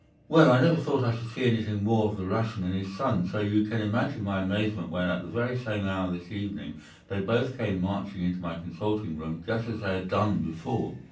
"Well, I never thought that I should see anything more of the Russian and his son, so you can imagine my amazement when, at the very same hour this evening, they both came marching into my consulting room, just as they had done before.